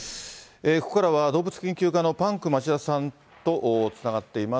ここからは動物研究家のパンク町田さんとつながっています。